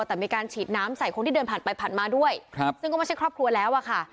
แต่มีการฉีดน้ำใส่คนที่เดินผ่านไปผ่านมาด้วยครับซึ่งก็ไม่ใช่ครอบครัวแล้วอะค่ะ